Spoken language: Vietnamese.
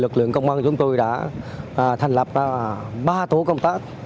công an của chúng tôi đã thành lập ba tổ công tác